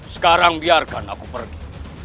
sekarang biarkan aku pergi